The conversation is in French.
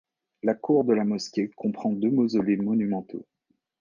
La cour de la mosquée comprend deux mausolées monumentaux.